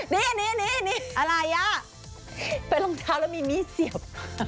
นี่นี่อะไรอ่ะเป็นรองเท้าแล้วมีมีดเสียบ